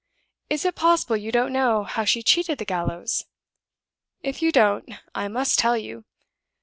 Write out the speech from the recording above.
Is it possible you don't know how she cheated the gallows? If you don't, I must tell you.